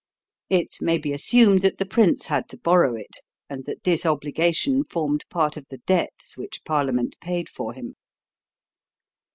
It may be assumed that the prince had to borrow it and that this obligation formed part of the debts which Parliament paid for him.